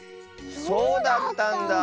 そうだったんだ。